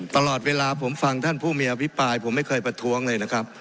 ตลอดเวลาผมฟังท่านผู้มีอภิปรายผมไม่เคยประท้วงเลยนะครับ